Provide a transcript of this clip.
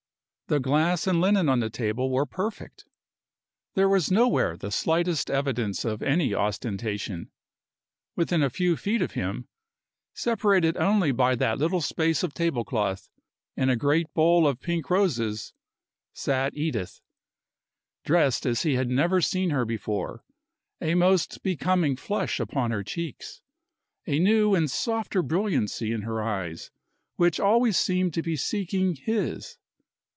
The glass and linen on the table were perfect. There was nowhere the slightest evidence of any ostentation. Within a few feet of him, separated only by that little space of tablecloth and a great bowl of pink roses, sat Edith, dressed as he had never seen her before, a most becoming flush upon her cheeks, a new and softer brilliancy in her eyes, which seemed always to be seeking his.